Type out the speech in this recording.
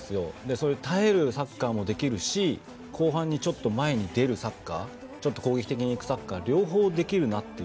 そういう耐えるサッカーもできるし、後半にちょっと前に出るサッカーも攻撃的にいくサッカーも両方できるなと。